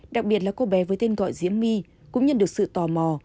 đặc biệt là cô bé với tên gọi diễm my cũng nhận được sự tò mò